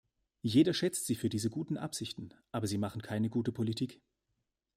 Jeder schätzt Sie für diese guten Absichten, aber sie machen keine gute Politik.